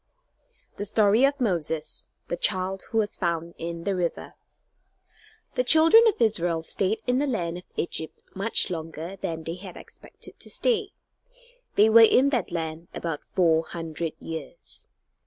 THE STORY OF MOSES, THE CHILD WHO WAS FOUND IN THE RIVER The children of Israel stayed in the land of Egypt much longer than they had expected to stay. They were in that land about four hundred years.